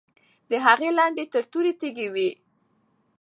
د هغې لنډۍ تر تورې تیزې وې.